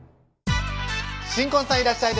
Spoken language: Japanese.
新婚さんいらっしゃい！